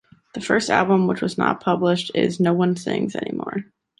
The first album, which was not published, is: “Nobody Sings Anymore”.